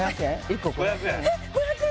５００円？